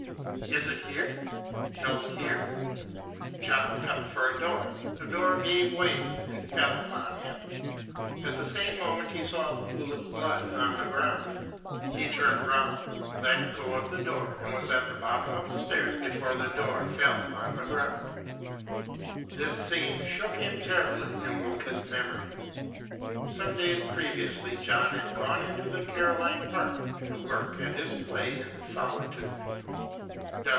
"Is it here?" "No, here!" John felt for a door; the door gave way and fell upon him. At the same moment he saw a pool of blood on the ground. He turned round, let go of the door, and was at the bottom of the stairs before the door fell on the ground. This scene shook him terribly and woke his memory. Some days previously John had gone into the Carolina Park to work at his play in solitude.